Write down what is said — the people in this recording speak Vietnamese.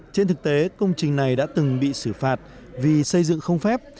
trên thực tế công trình này đã từng bị xử phạt vì xây dựng không phép